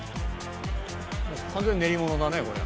「完全に練り物だねこれ」